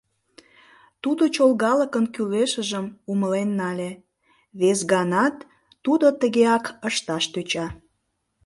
Тудо чолгалыкын кӱлешыжым умылен нале, вес ганат тудо тыгеак ышташ тӧча.